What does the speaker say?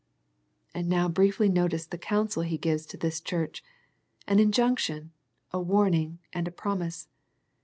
And now briefly notice the counsel He gives to this church, an injunction, a warning, and a promise.